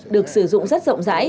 được sử dụng rất rộng rãi